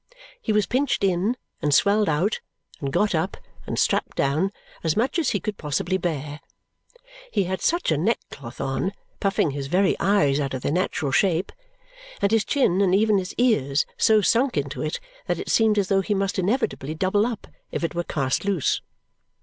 He was pinched in, and swelled out, and got up, and strapped down, as much as he could possibly bear. He had such a neckcloth on (puffing his very eyes out of their natural shape), and his chin and even his ears so sunk into it, that it seemed as though he must inevitably double up if it were cast loose.